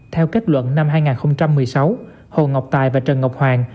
theo kết luận năm hai nghìn một mươi sáu hồ ngọc tài và trần ngọc hoàng